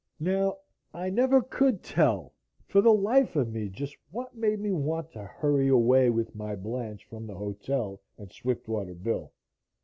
Now, I never could tell for the life of me just what made me want to hurry away with my Blanche from the hotel and Swiftwater Bill.